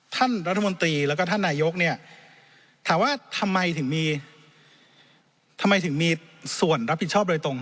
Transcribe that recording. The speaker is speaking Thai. ท่านรัฐมนตรีและท่านนายกถามว่าทำไมถึงมีส่วนรับผิดชอบโดยตรง